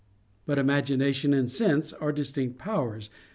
But imagination and sense are distinct powers.